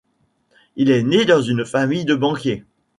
Il est né dans une famille de banquiers.